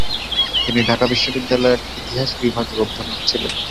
তিনি ঢাকা বিশ্ববিদ্যালয়ের ইতিহাস বিভাগের অধ্যাপক ছিলেন।